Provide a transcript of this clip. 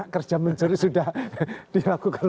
kerja mensuri sudah dilakukan